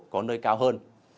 có nơi cao hơn